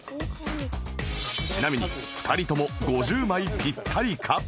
ちなみに２人とも５０枚ピッタリか？